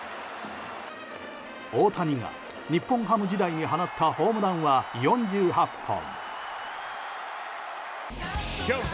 大谷が日本ハム時代に放ったホームランは４８本。